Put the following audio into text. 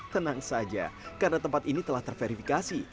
tenang saja karena tempat ini telah terverifikasi